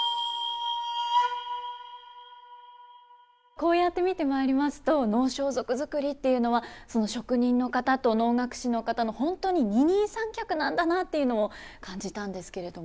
こうやって見てまいりますと能装束作りっていうのはその職人の方と能楽師の方の本当に二人三脚なんだなっていうのを感じたんですけれども。